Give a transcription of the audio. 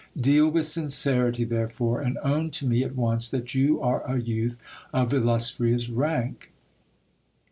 Deal with sincerity, therefore, and own to me at once that you are a youth of illustrious rank.